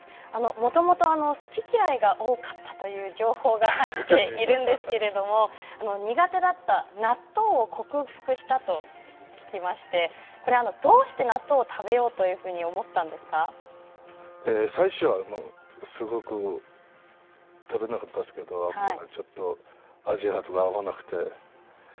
もともと、好き嫌いが多かったという情報が入っているんですけれども苦手だった納豆を克服したと聞きましてどうして納豆を食べよう最初はすごく食べなかったんですけどちょっと、味とか合わなくて。